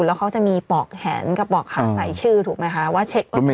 แล้วเขาจะมีปอกแหนกับปอกขาใส่ชื่อถูกไหมคะ